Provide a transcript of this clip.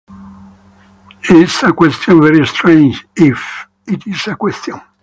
It's a question very strange, if it is a question.